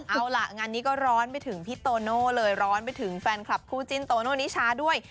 เอาล่ะงานนี้ก็ร้อนไปถึงพี่โตโน่เลยร้อนไปถึงแฟนคลับคู่จิ้นโตโน่นิชาด้วย